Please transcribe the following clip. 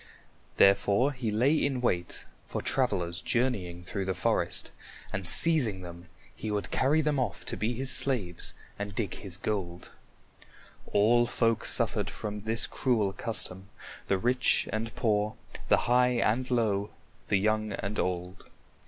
Therefore he lay in wait for travelers journeying through the forest, and seizing them, he would carry them off to be his slaves and dig his gold. All folk suffered from this cruel custom, the rich and poor, the high and low, the young and old.